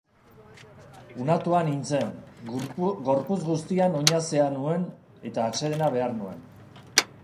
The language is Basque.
Unatua nintzen, gorputz guztian oinazea nuen eta atsedena behar nuen.